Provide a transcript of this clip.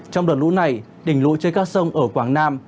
trong đợt lũ này đỉnh lũ trên các sông ở quảng nam